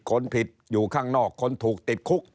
คนผิดอยู่ข้างนอกคนถูกติดคุก